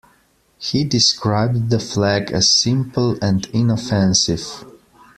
He described the flag as simple and inoffensive.